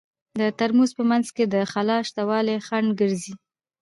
د ترموز په منځ کې د خلاء شتوالی خنډ ګرځي.